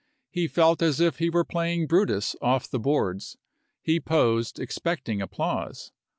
Api.u,i865. He felt as if he were playing Brutus off the boards ; he posed, expecting applause.